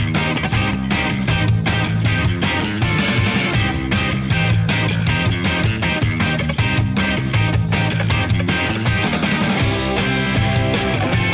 ขอกลับบ้านด้วยนะพี่